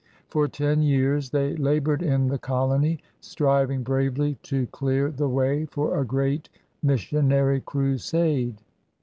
For ten years they labored in the colony, striving bravely to dear the way for a great missionary crusade.